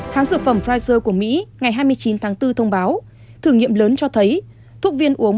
hãng dược phẩm pfizer của mỹ ngày hai mươi chín tháng bốn thông báo thử nghiệm lớn cho thấy thuốc viên uống